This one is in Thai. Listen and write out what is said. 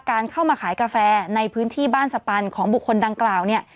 เข้ามาขายกาแฟในพื้นที่บ้านสปันของบุคคลดังกล่าวเนี่ย